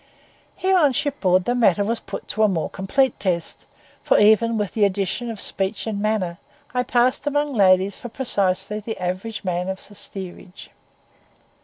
Here on shipboard the matter was put to a more complete test; for, even with the addition of speech and manner, I passed among the ladies for precisely the average man of the steerage.